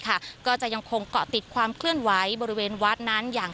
ก็จะยังคงเกาะติดความเคลื่อนไหวบริเวณวัดนั้นอย่าง